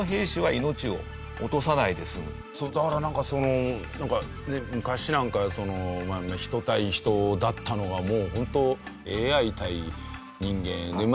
だからなんかその昔なんか人対人だったのがもうホントＡＩ対人間。